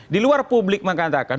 di luar publik mengatakan